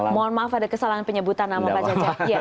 mohon maaf ada kesalahan penyebutan nama pak cece